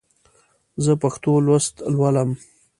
زه پښتو لوست لولم.